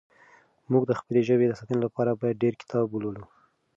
موږ د خپلې ژبې د ساتنې لپاره باید ډېر کتابونه ولولو.